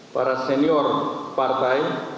para senior partai